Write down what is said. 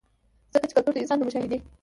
ځکه چې کلتور د انسان د مشاهدې